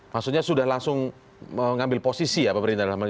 maksudnya sudah langsung mengambil posisi ya pemerintah dalam hal ini